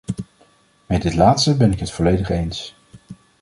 Met dit laatste ben ik het volledig eens.